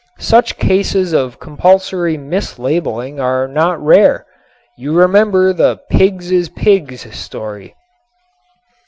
Such cases of compulsory mislabeling are not rare. You remember the "Pigs is Pigs" story.